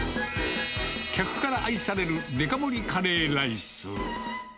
客から愛されるデカ盛りカレーライス。